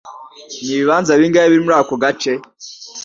Nibibanza bingahe biri muri ako gace?